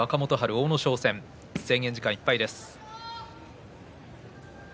阿武咲戦、制限時間いっぱいです。